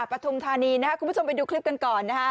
ปฐุมธานีนะครับคุณผู้ชมไปดูคลิปกันก่อนนะฮะ